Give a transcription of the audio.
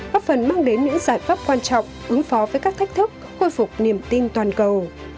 góp phần mang đến những giải pháp quan trọng ứng phó với các thách thức khôi phục niềm tin toàn cầu